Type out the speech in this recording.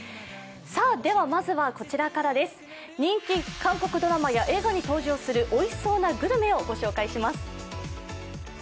まずは、人気韓国ドラマや映画に登場するおいしそうなグルメをご紹介します。